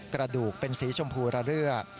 กระดูกเป็นสีชมพูระเรือ